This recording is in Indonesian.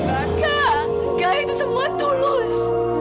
enggak itu semua tulus